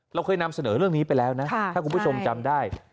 เราเคยนำเสนอเรื่องนี้ไปแล้วนะถ้าคุณผู้ชมจำได้